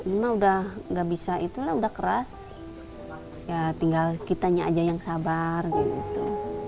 cuma udah gak bisa itulah udah keras ya tinggal kitanya aja yang sabar gitu